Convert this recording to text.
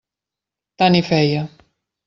Tant hi feia.